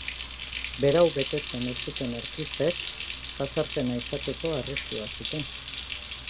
Berau betetzen ez zuten artistek jazarpena izateko arriskua zuten.